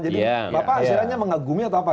jadi bapak akhirnya mengagumi atau apa